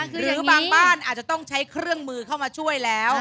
หรือบางบ้านอาจจะต้องใช้เครื่องมือเข้ามาช่วยแล้ว